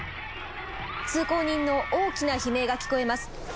通行人の大きな悲鳴が聞こえます。